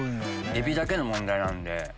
エビだけの問題なんで。